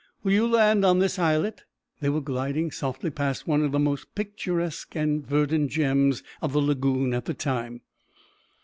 Will you land on this islet?" They were gliding softly past one of the most picturesque and verdant gems of the lagoon at the time.